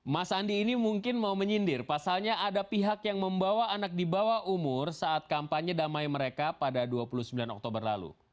mas andi ini mungkin mau menyindir pasalnya ada pihak yang membawa anak di bawah umur saat kampanye damai mereka pada dua puluh sembilan oktober lalu